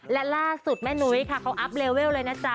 และล่าสุดแม่นุ้ยค่ะเขาอัพเลเวลเลยนะจ๊